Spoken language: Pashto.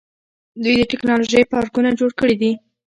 دوی د ټیکنالوژۍ پارکونه جوړ کړي دي.